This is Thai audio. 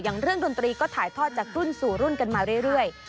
เรื่องดนตรีก็ถ่ายทอดจากรุ่นสู่รุ่นกันมาเรื่อย